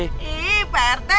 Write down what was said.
ih pak rt